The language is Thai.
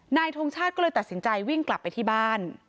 ทงชาติก็เลยตัดสินใจวิ่งกลับไปที่บ้าน